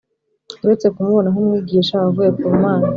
uretse kumubona nk’umwigisha wavuye ku Mana